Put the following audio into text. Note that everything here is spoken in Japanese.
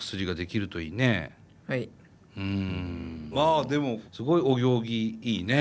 まあでもすごいお行儀いいね。